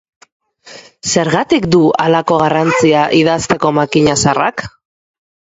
Zergatik du halako garrantzia idazteko makina zaharrak?